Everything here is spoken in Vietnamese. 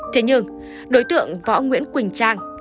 thế nhưng đối tượng võ nguyễn quỳnh trang